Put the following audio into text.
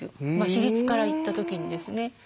比率から言った時にですね。